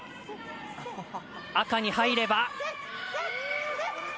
赤に入れば。